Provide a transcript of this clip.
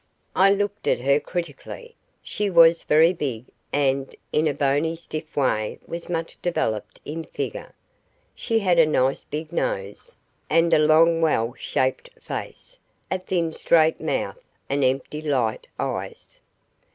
I looked at her critically. She was very big, and in a bony stiff way was much developed in figure. She had a nice big nose, and a long well shaped face, a thin straight mouth, and empty light eyes.